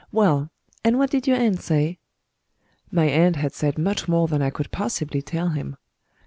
Well, and what did your aunt say?" My aunt had said much more than I could possibly tell him.